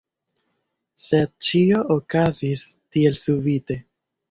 Sed ĉio okazis tielsubite.